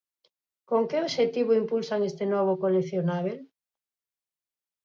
Con que obxectivo impulsan este novo coleccionábel?